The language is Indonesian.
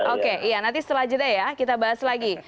oke iya nanti setelah jeda ya kita bahas lagi